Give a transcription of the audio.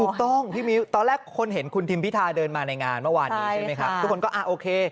พี่มิ้วตอนแรกคนเห็นคุณทิมพิธาเดินมาในงานเมื่อวานนี้ใช่ไหมครับทุกคนก็อ่าโอเค